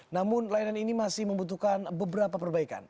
namun layanan ini masih membutuhkan beberapa perbaikan